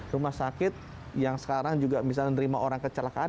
rumah sakit yang sekarang juga bisa menerima orang kecelakaan